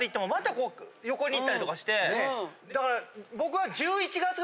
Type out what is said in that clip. だから僕は。